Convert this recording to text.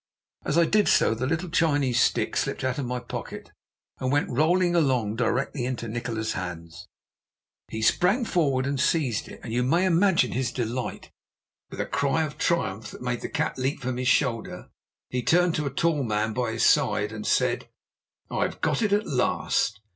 As I did so the little Chinese stick slipped out of my pocket and went rolling along directly into Nikola's hands. He sprang forward and seized it, and you may imagine his delight. With a cry of triumph that made the cat leap from his shoulder, he turned to a tall man by his side and said: "'I've got it at last!